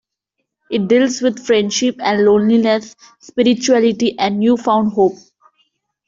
It deals with friendship and loneliness, spirituality and newfound hope.